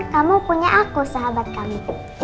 kamu punya aku sahabat kamiku